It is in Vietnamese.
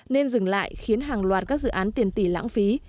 nên dừng lại khiến hàng loạt các dự án tiền tỷ lãng phí